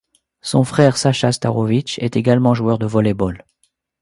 Son frère Saša Starović est également joueur de volley-ball.